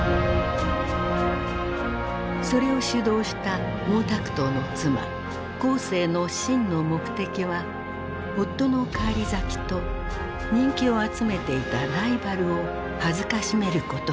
それを主導した毛沢東の妻江青の真の目的は夫の返り咲きと人気を集めていたライバルを辱めることだった。